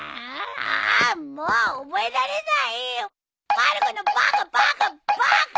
まる子のバカバカバカ！